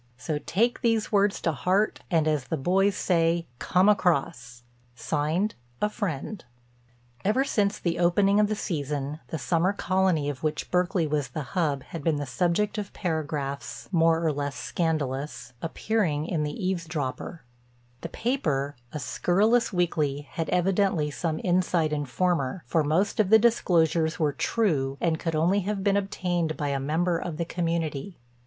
So take these words to heart and as the boys say, 'Come across.' "A Friend." Ever since the opening of the season the summer colony of which Berkeley was the hub had been the subject of paragraphs—more or less scandalous—appearing in The Eavesdropper. The paper, a scurrilous weekly, had evidently some inside informer, for most of the disclosures were true and could only have been obtained by a member of the community.